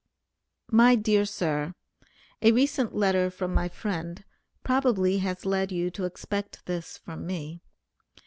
MY DEAR SIR: A recent letter from my friend, probably has led you to expect this from me.